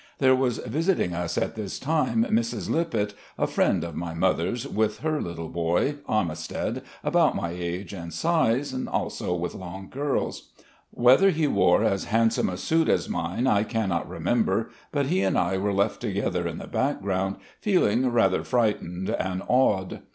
• There was visiting us at this time Mrs. Lippitt, a friend of my mother's, with her little boy, Armistead, about my age and size, also with long curls. Whether he wore as handsome a suit as mine I cannot remember, but he and I were left together in the background, feeling rather frightened and awed.